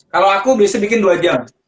kalau aku biasanya bikin dua jam